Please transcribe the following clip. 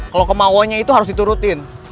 kalau kemauannya itu harus diturutin